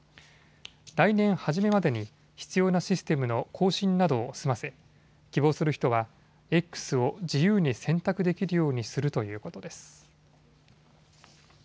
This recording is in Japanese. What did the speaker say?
来年初めまでに必要なシステムの更新などを済ませ希望する人はＸを自由に選択できるようにするということです。